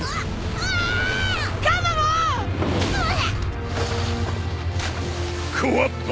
うわっ！